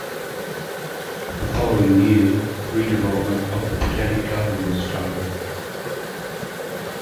The following year, redevelopment of the Botanic Garden was started.